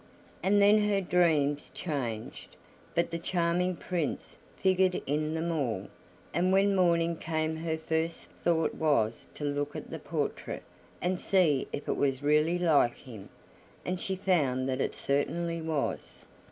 And then her dreams changed, but the charming Prince figured in them all; and when morning came her first thought was to look at the portrait, and see if it was really like him, and she found that it certainly was.